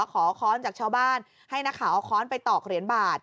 ขอค้อนจากชาวบ้านให้นักข่าวเอาค้อนไปตอกเหรียญบาท